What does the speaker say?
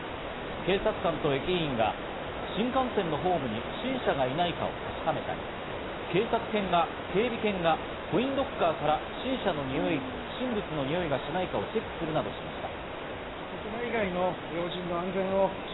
警察官と駅員が新幹線のホームに不審者がいないかを確かめたり、警備犬がコインロッカーから不審物のにおいがしないかをチェックするなどしました。